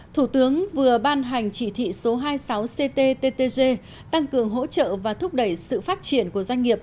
thủ tướng vừa ban hành chỉ thị số hai mươi sáu cttg tăng cường hỗ trợ và thúc đẩy sự phát triển của doanh nghiệp